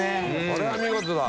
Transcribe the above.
これは見事だ。